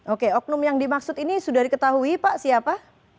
oke oknum yang dimaksud ini sudah diketahui pak siapa